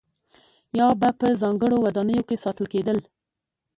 یا به په ځانګړو ودانیو کې ساتل کېدل.